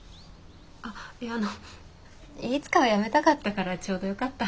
あっいやあのいつかは辞めたかったからちょうどよかった。